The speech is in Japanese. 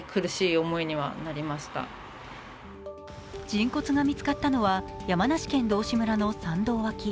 人骨が見つかったのは山梨県道志村の山道脇。